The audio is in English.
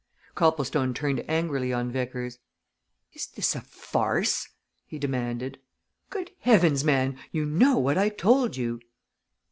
Copplestone turned angrily on Vickers. "Is this a farce?" he demanded. "Good heavens, man! you know what I told you!"